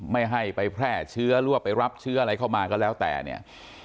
ไม่ให้ไปแพร่เชื้อหรือว่าไปรับเชื้ออะไรเข้ามาก็แล้วแต่เนี่ย